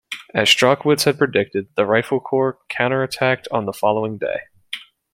As Strachwitz had predicted, the Rifle Corps counterattacked on the following day.